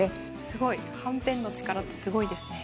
すごいはんぺんの力ってすごいですね。